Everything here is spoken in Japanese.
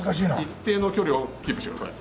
一定の距離をキープしてください。